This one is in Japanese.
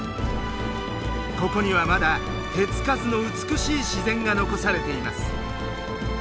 ここにはまだ手付かずの美しい自然が残されています。